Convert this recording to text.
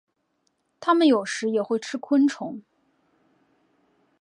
它们有时也会吃昆虫。